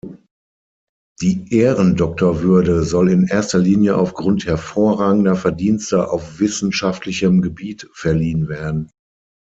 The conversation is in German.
Die Ehrendoktorwürde soll in erster Linie aufgrund hervorragender Verdienste auf wissenschaftlichem Gebiet verliehen werden.